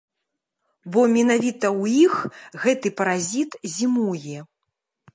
Бо менавіта ў іх гэты паразіт зімуе.